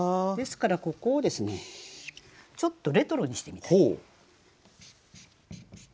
ですからここをですねちょっとレトロにしてみたい。